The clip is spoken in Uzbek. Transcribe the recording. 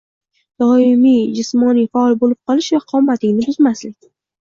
Doimo jismoniy faol bo‘lib qolish va qomatingni buzmaslik.